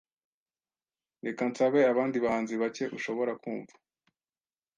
reka nsabe abandi bahanzi bake ushobora kumva